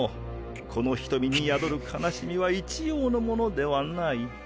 この瞳に宿る悲しみは一様のものではない。